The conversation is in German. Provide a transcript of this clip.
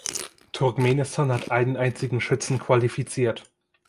Turkmenistan hat einen einzigen Schützen qualifiziert.